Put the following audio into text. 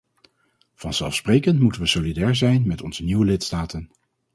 Vanzelfsprekend moeten we solidair zijn met onze nieuwe lidstaten.